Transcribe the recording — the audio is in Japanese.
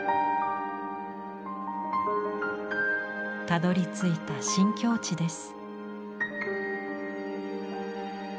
たどりついた新境地です。